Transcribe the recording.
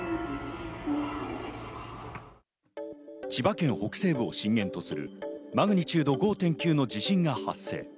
千葉県北西部を震源とするマグニチュード５．９の地震が発生。